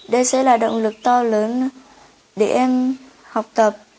đây sẽ là động lực to lớn để em học tập